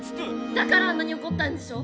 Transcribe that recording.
だからあんなにおこったんでしょ。